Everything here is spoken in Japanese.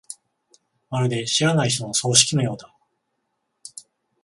まるで知らない人の葬式のようだ。